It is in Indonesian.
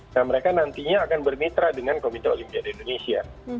nah mereka nantinya akan bermitra dengan komite olimpiade indonesia